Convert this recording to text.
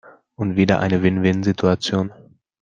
Und wieder eine Win-win-Situation!